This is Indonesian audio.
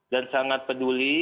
dan sangat peduli